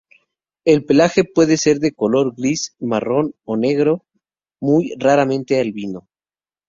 El pelaje puede ser de color gris, marrón o negro, muy raramente albino.